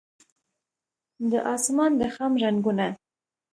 د اسمان د خم رنګونه